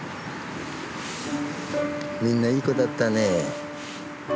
みんないい子だったね。